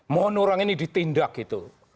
mohon orang ini ditindak itu